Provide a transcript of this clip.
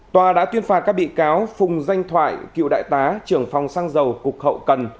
tòa đã tuyên phạt các bị cáo phùng danh thoại cựu đại tá trưởng phòng xăng dầu cục hậu cần